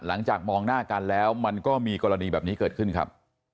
หลังจากมองหน้ากันแล้วมันก็มีกรณีแบบนี้เกิดขึ้นครับ